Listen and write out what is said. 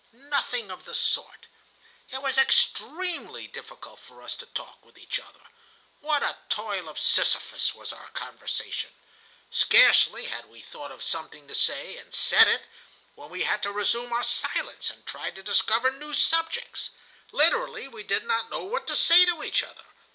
Nothing of the sort. It was extremely difficult for us to talk with each other. What a toil of Sisyphus was our conversation! Scarcely had we thought of something to say, and said it, when we had to resume our silence and try to discover new subjects. Literally, we did not know what to say to each other.